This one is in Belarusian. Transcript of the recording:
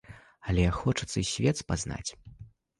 Але хочацца і свет спазнаваць.